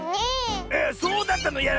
えそうだったの？